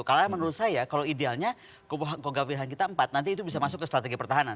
karena menurut saya kalau idealnya kogak wilhan kita empat nanti itu bisa masuk ke strategi pertahanan